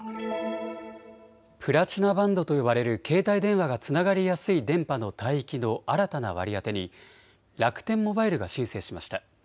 プラチナバンドと呼ばれる携帯電話がつながりやすい電波の帯域の新たな割り当てに楽天モバイルが申請しました。